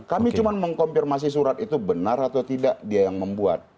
kami cuma mengkonfirmasi surat itu benar atau tidak dia yang membuat